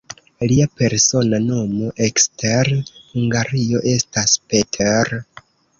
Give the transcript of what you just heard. Lia persona nomo ekster Hungario estas "Peter".